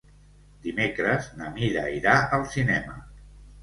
Dimecres na Mira irà al cinema.